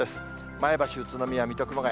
前橋、宇都宮、水戸、熊谷。